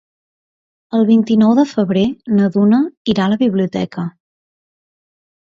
El vint-i-nou de febrer na Duna irà a la biblioteca.